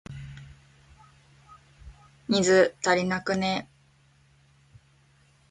水、足りなくね？